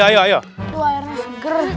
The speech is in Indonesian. aduh airnya seger